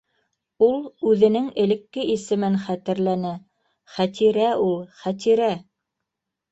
Ул үҙенең элекке исемен хәтерләне: Хәтирә ул, Хәтирә!